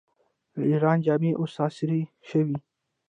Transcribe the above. د ایران جامې اوس عصري شوي.